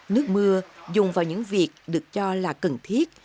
nước mưa dùng vào những việc được cho là cần thiết